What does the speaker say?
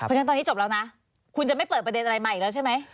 เพราะฉะนั้นตอนนี้จบแล้วนะคุณจะไม่เปิดประเด็นอะไรมาอีกแล้วใช่ไหม